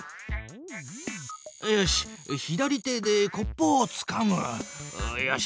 左手でコップをつかむ！よし！